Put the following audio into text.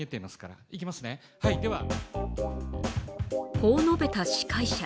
こう述べた司会者。